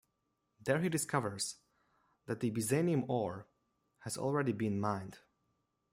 There he discovers that the byzanium ore has already been mined.